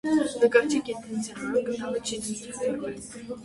Նկարչի կենդանության օրոք կտավը չի ցուցադրվել։